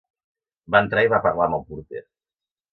Va entrar i va parlar amb el porter.